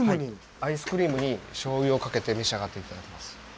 アイスクリームにしょうゆをかけて召し上がって頂きます。